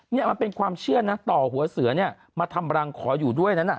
นี่มันเป็นความเชื่อนะต่อหัวเสือเนี่ยมาทำรังขออยู่ด้วยนั้น